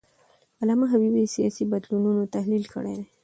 علامه حبیبي د سیاسي بدلونونو تحلیل کړی دی.